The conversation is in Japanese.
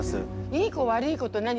いい子悪い子と何？